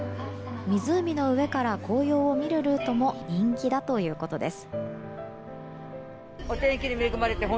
湖の上から紅葉を見るルートも人気だということです。